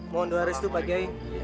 mohon doa restu pak kiai